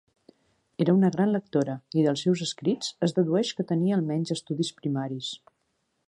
Era una gran lectora i dels seus escrits es dedueix que tenia almenys estudis primaris.